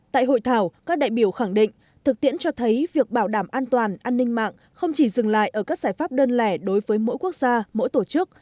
tại hội thảo các đại biểu khẳng định thực tiễn cho thấy việc bảo đảm an toàn an ninh mạng không chỉ dừng lại ở các giải pháp đơn lẻ đối với mỗi quốc gia mỗi tổ chức